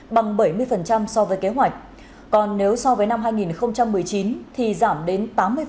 bằng bảy mươi so với kế hoạch còn nếu so với năm hai nghìn một mươi chín thì giảm đến tám mươi